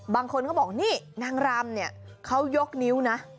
บางคนก็บอกนี่นางรำเนี่ยเขายกนิ้วนะ